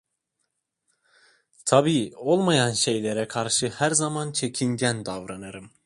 Tabii olmayan şeylere karşı her zaman çekingen davranırım.